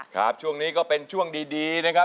ครับช่วงนี้ก็เป็นช่วงดีนะครับ